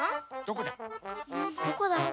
どこだ？